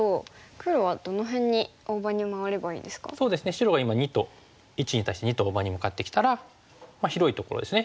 白が今②と①に対して②と大場に向かってきたら広いところですね